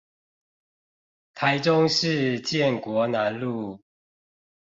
台中市建國南路